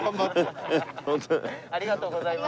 ありがとうございます。